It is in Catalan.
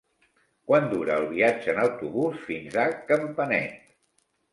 Quant dura el viatge en autobús fins a Campanet?